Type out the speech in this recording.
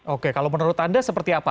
oke kalau menurut anda seperti apa